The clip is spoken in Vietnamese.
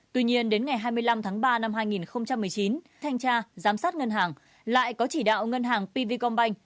tuy nhiên đến ngày hai mươi năm tháng ba năm hai nghìn một mươi chín thanh tra giám sát ngân hàng lại có chỉ đạo ngân hàng pvcombank